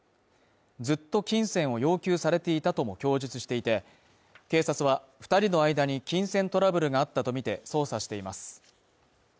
ずっと金銭を要求されていたとも供述していて警察は２人の間に金銭トラブルがあったとみて捜査しています。